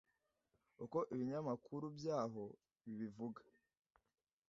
uko ibinyamakuru byaho bibivuga